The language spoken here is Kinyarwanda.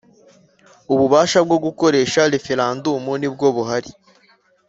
Ububasha bwo gukoresha referendumu nibwo buhari.